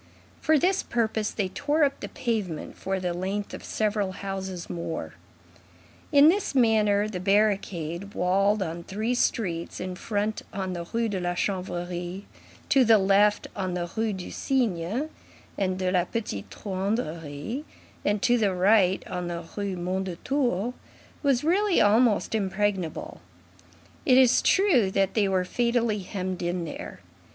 For this purpose, they tore up the pavement for the length of several houses more. In this manner, the barricade, walled on three streets, in front on the Rue de la Chanvrerie, to the left on the Rues du Cygne and de la Petite Truanderie, to the right on the Rue Mondétour, was really almost impregnable; it is true that they were fatally hemmed in there.